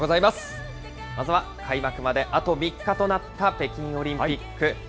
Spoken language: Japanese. まずは開幕まであと３日となった北京オリンピック。